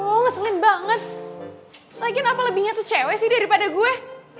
oh ngeselin banget lagian apa lebihnya sucewek sih daripada gue